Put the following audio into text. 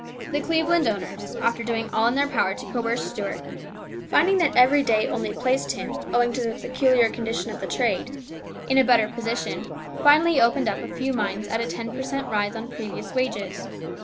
The Cleveland owners, after doing all in their power to coerce Stuart, finding that every day only placed him, owing to the peculiar condition of the trade, in a better position, finally opened up a few mines at a ten per cent, rise on previous wages.